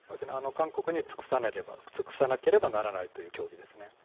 韓国に尽くさなければならないという教義ですね。